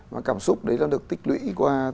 và cảm xúc đấy nó được tích lũy qua